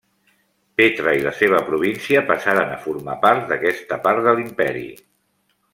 Petra i la seva província passaren a formar part d'aquesta part de l'Imperi.